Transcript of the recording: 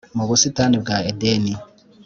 mu busitani bwa edeni.